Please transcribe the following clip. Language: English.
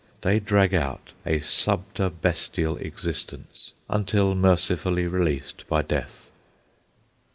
They drag out a subterbestial existence until mercifully released by death.